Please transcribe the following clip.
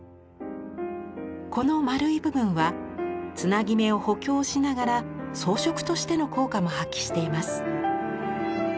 この丸い部分はつなぎ目を補強しながら装飾としての効果も発揮しています。